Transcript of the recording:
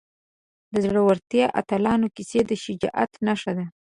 د زړورو اتلانو کیسه د شجاعت نښه ده.